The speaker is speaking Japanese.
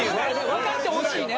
わかってほしいね。